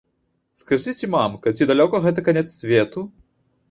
Скажыце, мамка, ці далёка гэта канец свету?